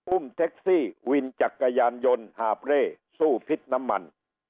แท็กซี่วินจักรยานยนต์หาบเร่สู้พิษน้ำมัน